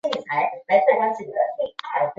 他在各地建设回民小学和伊斯兰教学校。